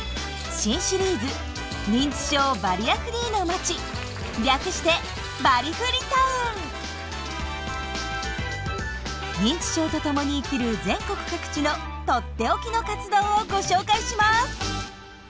新シリーズ略して認知症とともに生きる全国各地のとっておきの活動をご紹介します。